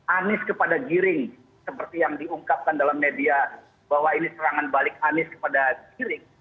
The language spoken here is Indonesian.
anies kepada giring seperti yang diungkapkan dalam media bahwa ini serangan balik anies kepada giring